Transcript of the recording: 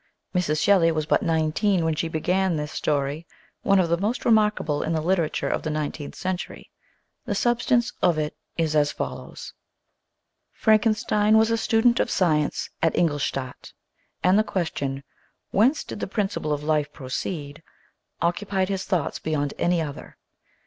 Mrs. Shelley was but nineteen when she began this story, one of the most remarkable in the literature of the nineteenth century. The substance of it is as follows: Frankenstein was a student of science at Ingolstadt, and the question " Whence did the principle of life pro ceed?" occupied his thoughts beyond any other.